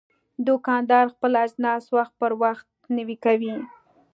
دوکاندار خپل اجناس وخت پر وخت نوی کوي.